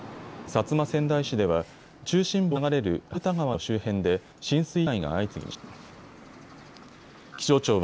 薩摩川内市では中心部を流れる春田川の周辺で浸水被害が相次ぎました。